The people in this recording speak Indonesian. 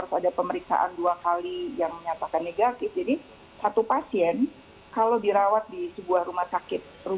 untuk menua selamat lilin sama pfunction yang di lalu lalu